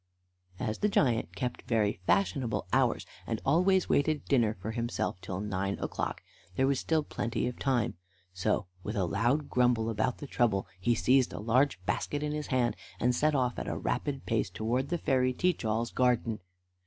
As the giant kept very fashionable hours, and always waited dinner for himself till nine o'clock, there was still plenty of time; so, with a loud grumble about the trouble, he seized a large basket in his hand, and set off at a rapid pace towards the fairy Teach all's garden.